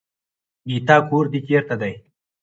ګيتا کور دې چېرته دی.